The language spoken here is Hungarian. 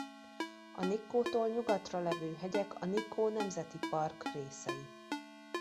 A Nikkótól nyugatra levő hegyek a Nikkó Nemzeti Park részei.